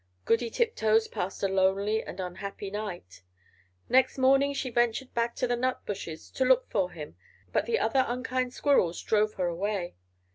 Goody Tiptoes passed a lonely and unhappy night. Next morning she ventured back to the nut bushes to look for him; but the other unkind squirrels drove her away.